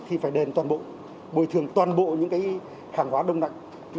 khi phải đền toàn bộ bồi thường toàn bộ những cái khẳng hóa đông nặng